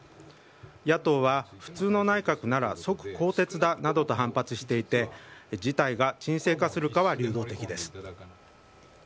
野党は普通の内閣なら即更迭だなどと反発していて事態が沈静化するかは流動的です。